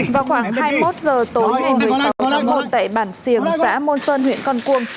vào khoảng hai mươi một h tối một mươi sáu h tầy bản siềng xã môn sơn huyện con cuông